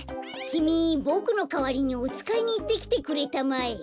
きみボクのかわりにおつかいにいってきてくれたまえ。